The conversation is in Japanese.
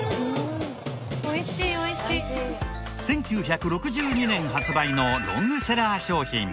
１９６２年発売のロングセラー商品。